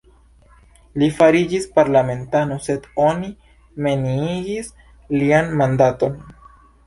Li fariĝis parlamentano, sed oni neniigis lian mandaton.